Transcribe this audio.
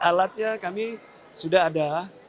alatnya kami sudah ada